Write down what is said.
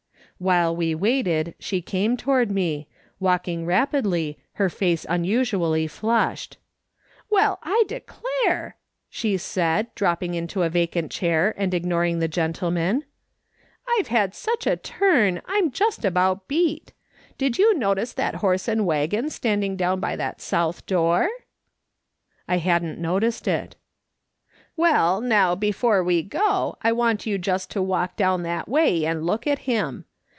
While we waited she came toward me, walking rapidly, her face unusually flushed. "Well, I declare !" she said, dropping into a vacant chair, and ignoring the gentleman. "I've had such a turn, I'm just about beat. Did you notice that horse and waggon standing down by that south door ?" I hadn't noticed it. " Well, now before we go, I want you just to walk down that way and look at him.